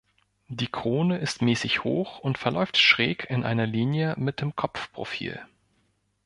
Die Krone ist mäßig hoch und verläuft schräg in einer Linie mit dem Kopfprofil.